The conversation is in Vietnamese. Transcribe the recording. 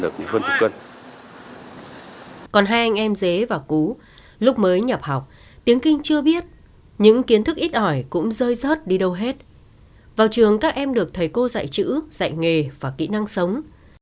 còn hai anh em dế và cú lúc mới nhập học tiếng kinh chưa biết những kiến thức ít ỏi cũng rơi rớt đi đâu hết vào trường các em được thầy cô dạy chữ dạy nghề và kỹ năng sống